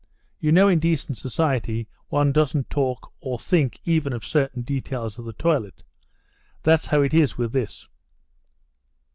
You know in decent society one doesn't talk or think even of certain details of the toilet. That's how it is with this."